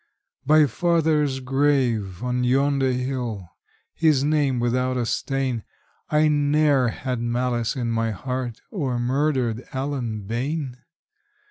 By father's grave on yonder hill his name without a stain I ne'er had malice in my heart, or murdered Allen Bayne!